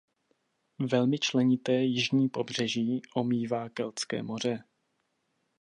Velmi členité jižní pobřeží omývá Keltské moře.